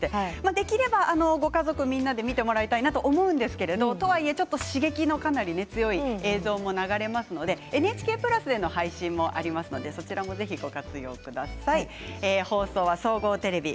できればご家族みんなで見てもらいたいと思うんですが刺激が強い映像も流れますのでＮＨＫプラスでの配信もありますので、そちらもご活用ください。